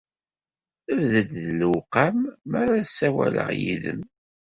Bded d lewqam mi ara ssawaleɣ yid-m!